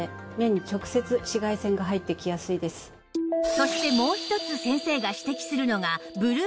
そしてもう一つ先生が指摘するのが